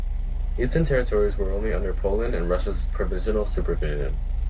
Eastern territories were only under Poland and Russia’s provisional supervision.